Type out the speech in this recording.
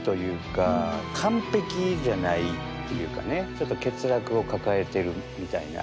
ちょっと欠落を抱えてるみたいな。